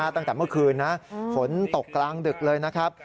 ตั้งแต่เมื่อคืนนะฝนตกกลางดึกเลยนะครับ